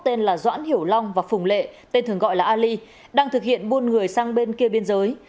tên là doãn hiểu long và phùng lệ tên thường gọi là ali đang thực hiện buôn người sang bên kia biên giới